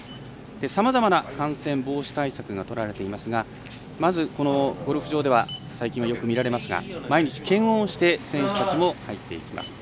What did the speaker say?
さまざまな感染防止対策がとられていますがまず、ゴルフ場では最近よく見られますが毎日、検温をして選手たちも入っていきます。